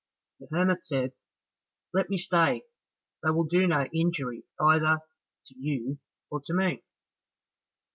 The hermit said, "Let me stay, they will do no injury either to you or to me."